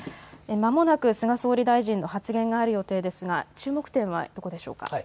まもなく菅総理大臣の発言がある予定ですが注目点はどこでしょうか。